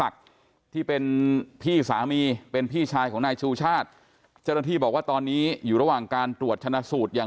เดี๋ยวเอาไว้ตรวจสอบก่อน